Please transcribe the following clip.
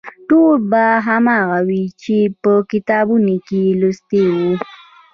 ټول به هماغه و چې په کتابونو کې یې لوستي وو.